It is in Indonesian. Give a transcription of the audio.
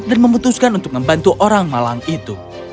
dan memutuskan untuk membantu orang malang itu